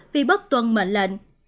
vì bất tuân mệnh lệnh